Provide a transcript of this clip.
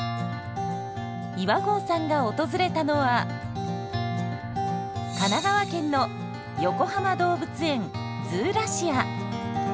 岩合さんが訪れたのは神奈川県のよこはま動物園ズーラシア。